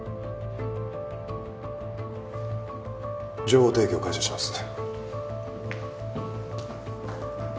情報提供感謝します。